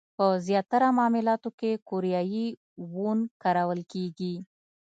په زیاتره معاملاتو کې کوریايي وون کارول کېږي.